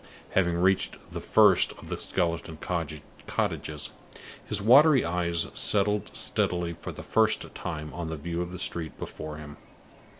Having reached the first of the skeleton cottages, his watery eyes settled steadily for the first time on the view of the street before him.